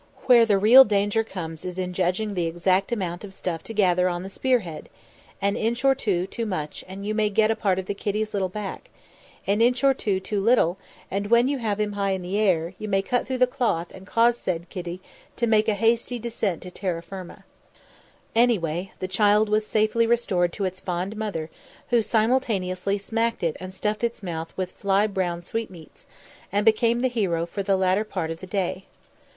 Where the real danger comes in is in judging the exact amount of stuff to gather on the spear head; an inch or so too much and you may get a part of the kiddie's little back; an inch or so too little and, when you have him high in air, you may cut through the cloth and cause said kiddie to make a hasty descent to terra firma. Anyway, the child was safely restored to its fond mother, who simultaneously smacked it and stuffed its mouth with fly blown sweetmeats, and became the hero for the latter part of the day.